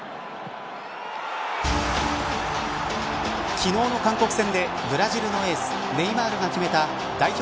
昨日の韓国戦でブラジルのエースネイマールが決めた代表